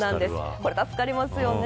これ助かりますよね。